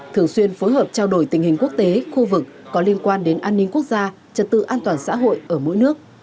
thường xuyên phối hợp trao đổi tình hình quốc tế khu vực có liên quan đến an ninh quốc gia trật tự an toàn xã hội ở mỗi nước